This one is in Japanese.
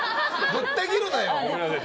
ぶった切るなよ！